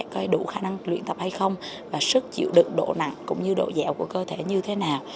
có đủ khả năng luyện tập hay không và sức chịu đựng độ nặng cũng như độ dẻo của cơ thể như thế nào